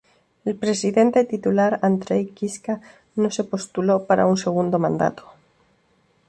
El presidente titular Andrej Kiska no se postuló para un segundo mandato.